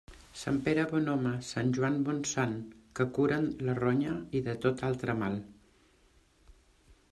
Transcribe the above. Sant Pere bon home, sant Joan bon sant, que curen la ronya i de tot altre mal.